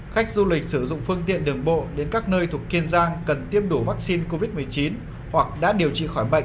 khách du lịch sử dụng phương tiện đường bộ đến các nơi thuộc kiên giang cần tiêm đủ vaccine covid một mươi chín hoặc đã điều trị khỏi bệnh